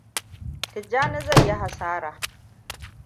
Tijjani zai yi hasara.